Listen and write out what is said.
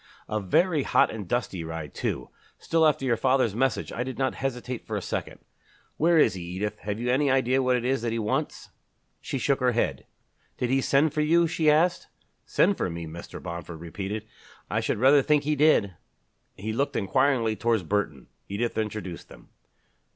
"A very hot and dusty ride too. Still, after your father's message I did not hesitate for a second. Where is he, Edith? Have you any idea what it is that he wants?" She shook her head. "Did he send for you?" she asked. "Send for me!" Mr. Bomford repeated. "I should rather think he did." He looked inquiringly towards Burton. Edith introduced them.